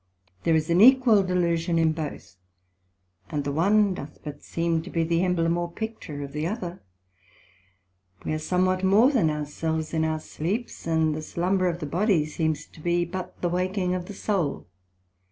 There is an equal delusion in both, and the one doth but seem to be the embleme or picture of the other; we are somewhat more than our selves in our sleeps, and the slumber of the body seems to be but the waking of the soul.